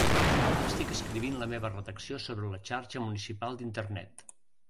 Estic escrivint la meva redacció sobre la xarxa municipal d'Internet.